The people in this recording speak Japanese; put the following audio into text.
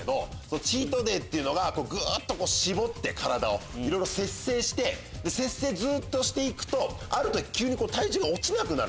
チートデイっていうのが絞って体をいろいろ節制して節制ずっとして行くとある時体重が落ちなくなる。